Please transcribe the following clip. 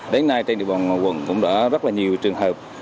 đến nay trên địa bàn quận cũng đã rất là nhiều trường hợp